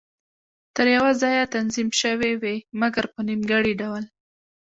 تر یوه ځایه تنظیم شوې وې، مګر په نیمګړي ډول.